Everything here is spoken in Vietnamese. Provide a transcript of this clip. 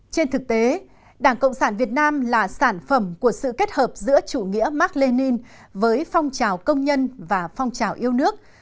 trên thực tế đảng cộng sản việt nam là sản phẩm của sự kết hợp giữa chủ nghĩa mark lenin với phong trào công nhân và phong trào yêu nước